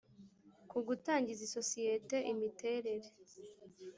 ku gutangiza isosiyete imiterere